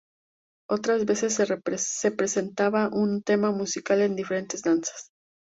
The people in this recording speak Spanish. Otras veces se presentaba un tema musical en diferentes danzas.